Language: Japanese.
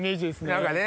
何かね。